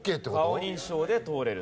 顔認証で通れる。